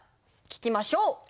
聞きましょう。